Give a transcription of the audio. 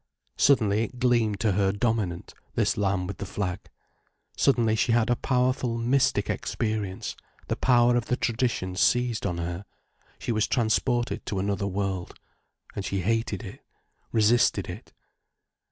Suddenly it gleamed to her dominant, this lamb with the flag. Suddenly she had a powerful mystic experience, the power of the tradition seized on her, she was transported to another world. And she hated it, resisted it.